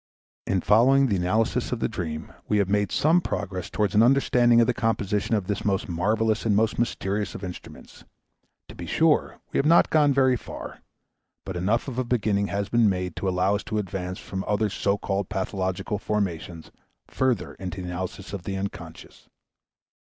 In following the analysis of the dream we have made some progress toward an understanding of the composition of this most marvelous and most mysterious of instruments; to be sure, we have not gone very far, but enough of a beginning has been made to allow us to advance from other so called pathological formations further into the analysis of the unconscious.